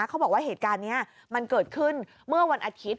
เขาบอกว่าเหตุการณ์นี้มันเกิดขึ้นเมื่อวันอาทิตย์